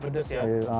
lebih pedas ya